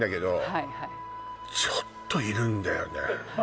はいちょっといるんだよね